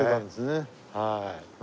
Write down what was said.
はい。